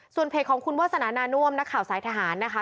เพจของคุณวาสนานาน่วมนักข่าวสายทหารนะคะ